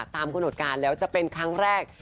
กำหนดการแล้วจะเป็นครั้งแรก